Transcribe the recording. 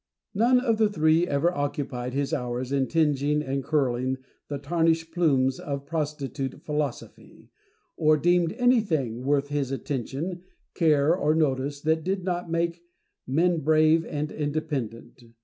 None of the three ever occupied his hours in tingeing and curling the tarnished plumes of prostitute Philosophy, or deemed anything worth his attention, care, or notice, that did not make men brave and independent.